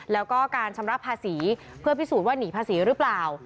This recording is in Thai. แล้วก็การชำระภาษีเพื่อพิสูจน์ว่าหนีภาษีหรือเปล่า